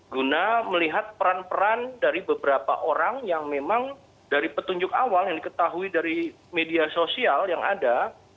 guna melihat peran peran dari beberapa orang yang memang dari petunjuk awal yang diketahui dari media sosial yang ada